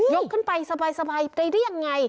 ยกขึ้นไปสบายได้รียียังไง